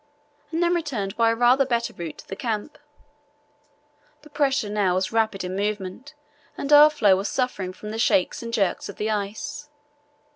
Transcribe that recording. and then returned by a rather better route to the camp. The pressure now was rapid in movement and our floe was suffering from the shakes and jerks of the ice.